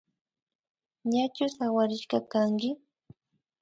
Ñachu sawarishka kanki